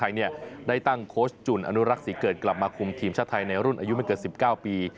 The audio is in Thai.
มาคมกีฬาฟุตบอลแห่งประเทศไทยได้ตั้งโค้ชจุนอนุรักษ์สีเกิดกลับมาคมทีมชาติไทยในรุ่นอายุไม่เกิด๑๙ปี